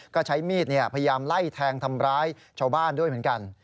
ก็ใช้มีดพยายามไล่แทงทำร้ายชาวบ้านด้วยเหมือนกัน